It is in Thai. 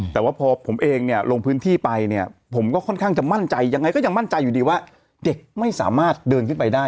แต่ว่าพอผมเองเนี่ยลงพื้นที่ไปเนี่ยผมก็ค่อนข้างจะมั่นใจยังไงก็ยังมั่นใจอยู่ดีว่าเด็กไม่สามารถเดินขึ้นไปได้